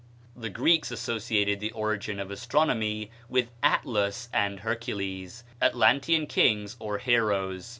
The Greeks associated the origin of astronomy with Atlas and Hercules, Atlantean kings or heroes.